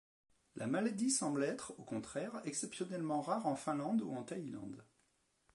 La maladie semble être, au contraire, exceptionnellement rare en Finlande ou en Thaïlande.